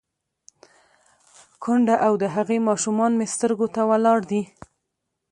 _کونډه او د هغې ماشومان مې سترګو ته ولاړ دي.